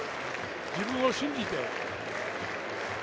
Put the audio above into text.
自分を信じて。